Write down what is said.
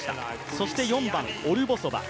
そして４番、オルボソバ。